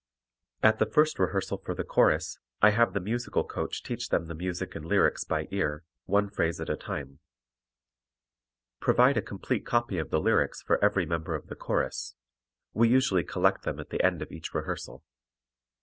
At the first rehearsal for the chorus I have the musical coach teach them the music and lyrics by ear, one phrase at a time. Provide a complete copy of the lyrics for every member of the chorus; we usually collect them at the end of each rehearsal.